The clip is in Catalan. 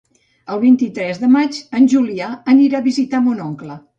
El vint-i-tres de maig en Julià anirà a visitar mon oncle.